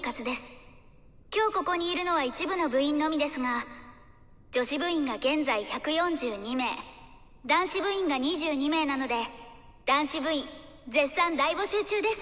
今日ここにいるのは一部の部員のみですが女子部員が現在１４２名男子部員が２２名なので男子部員絶賛大募集中です！